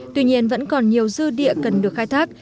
tuy nhiên vẫn còn nhiều dư địa cần được khai thác